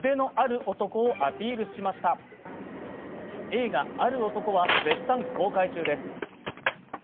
映画「ある男」は絶賛公開中です。